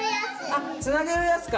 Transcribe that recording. あつなげるやつか。